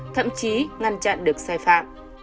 thậm chí ngăn chặn được sai phạm